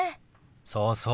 そうそう。